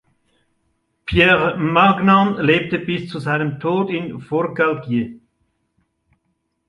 Pierre Magnan lebte bis zu seinem Tod in Forcalquier.